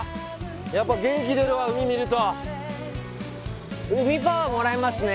やっぱ元気出るわ海見ると海パワーもらえますね